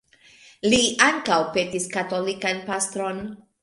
Li ankaŭ petis katolikan pastron.